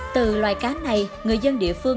từ loài cá này người dân địa phương